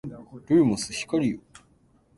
ルーモス光よ